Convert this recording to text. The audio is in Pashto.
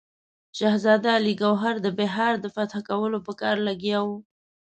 شهزاده علي ګوهر د بیهار د فتح کولو په کار لګیا وو.